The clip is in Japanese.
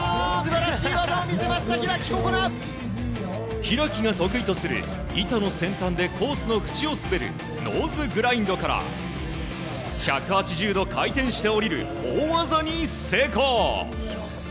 開が得意とする、板の先端でコースのふちを滑るノーズグラインドから１８０度回転して降りる大技に成功。